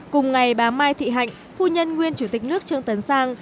cùng ngày bà mai thị hạnh phu nhân nguyên chủ tịch nước trương tấn sang